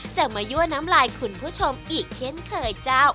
จะมายั่วน้ำลายคุณผู้ชมอีกเช่นเคยเจ้า